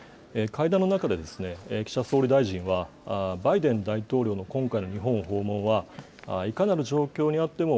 会談の中で、岸田総理大臣は、バイデン大統領の今回の日本訪問は、いかなる状況にあっても、